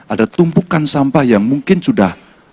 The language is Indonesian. ada tumpukan sampah yang mungkin sudah